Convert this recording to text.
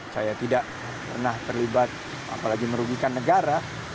saya tidak pernah terlibat apalagi merugikan negara